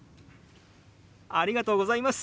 「ありがとうございます。